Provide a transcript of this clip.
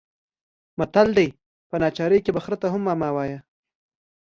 متل دی: په ناچارۍ کې به خره ته هم ماما وايې.